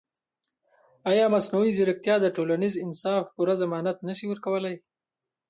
ایا مصنوعي ځیرکتیا د ټولنیز انصاف پوره ضمانت نه شي ورکولی؟